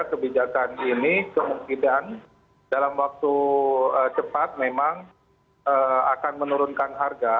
kebijakan ini kemungkinan dalam waktu cepat memang akan menurunkan harga